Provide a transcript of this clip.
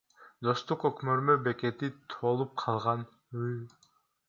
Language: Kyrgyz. Достук өкмөрмө бекети толуп калган.